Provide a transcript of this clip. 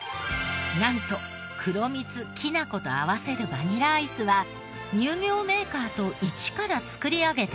なんと黒蜜きな粉と合わせるバニラアイスは乳業メーカーと一から作り上げたもの。